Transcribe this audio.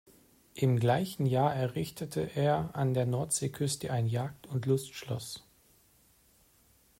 Im gleichen Jahr errichtete er an der Nordseeküste ein Jagd- und Lustschloss.